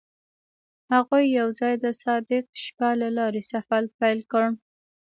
هغوی یوځای د صادق شپه له لارې سفر پیل کړ.